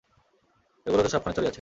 এগুলো তো সবখানে ছড়িয়ে আছে!